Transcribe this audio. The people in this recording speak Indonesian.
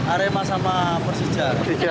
arema sama persija